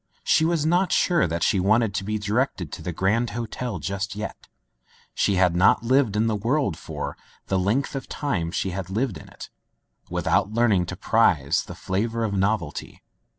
She was not sure that she wanted to be directed to the Grand Hotel just yet. She had not lived in the world for — the length of time she had lived in it, without learning to prize the flavor of novelty.